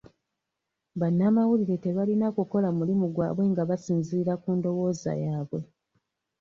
Bannamawulire tebalina kukola mulimu gwabwe nga basinziira ku ndowooza yaabwe.